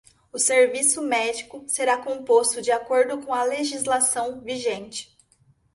O serviço médico será composto de acordo com a legislação vigente.